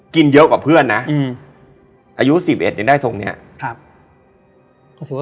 เยอะกว่าเพื่อนนะอืมอายุสิบเอ็ดยังได้ทรงเนี้ยครับรู้สึกว่า